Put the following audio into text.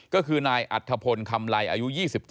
ก็คือนายอัธพลคำไลอายุ๒๙